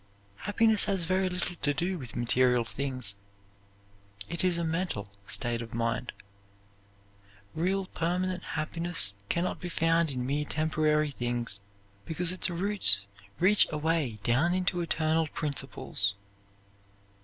Happiness has very little to do with material things. It is a mental state of mind. Real permanent happiness can not be found in mere temporary things, because its roots reach away down into eternal principles.